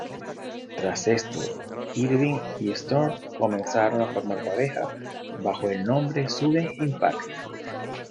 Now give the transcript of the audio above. Tras esto, Irvine y Storm comenzaron a formar pareja bajo el nombre "Sudden Impact".